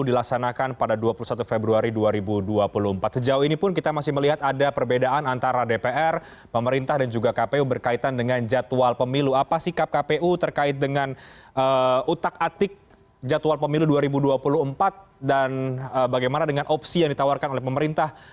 dan bagaimana dengan opsi yang ditawarkan oleh pemerintah